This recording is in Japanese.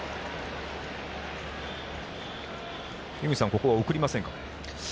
井口さん、ここは送りませんか？